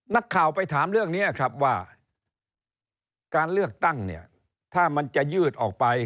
นักข่าวไปถามเรื่องนี้ครับว่าการเลือกตั้งเนี่ยถ้ามันจะยืดออกไป